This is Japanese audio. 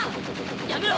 やめろ！